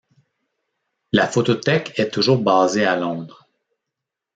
La photothèque est toujours basée à Londres.